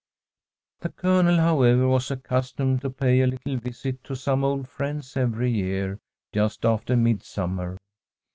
The Colonel, however, was accustomed to pay a little visit to some old friends every year just after midsummer.